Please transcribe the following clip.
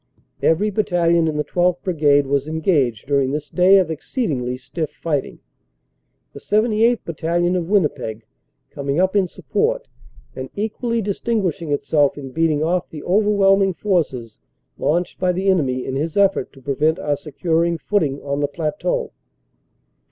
Every battalion in the 12th. Brigade was engaged during this day of exceedingly stiff fighting, the 78th. Battalion, of Winnipeg, coming up in support and equally distinguishing itself in beating off the overwhelming forces launched by the enemy in his effort to prevent our securing footing on the plateau.